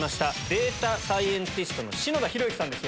データサイエンティストの篠田裕之さんです。